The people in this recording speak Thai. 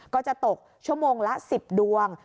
ก็จะตกชั่วโมงละ๑๐ดวง